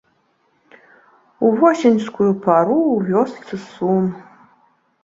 У восеньскую пару ў вёсцы сум.